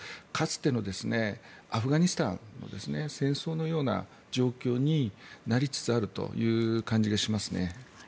かつてのアフガニスタンの戦争のような状況になりつつあるという感じがしますね。